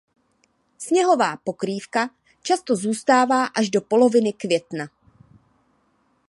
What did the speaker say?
Sněhová pokrývka často zůstává až do poloviny května.